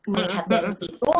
melihat dari situ